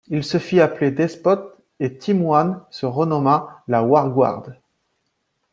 Il se fit appeler Despot et Team One se renomma la Warguard.